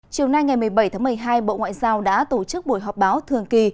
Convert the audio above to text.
chiều nay ngày một mươi bảy tháng một mươi hai bộ ngoại giao đã tổ chức buổi họp báo thường kỳ